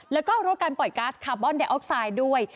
แล้วก็รู้การปล่อยก๊าซคาร์บอนไดออกไซด์ด้วย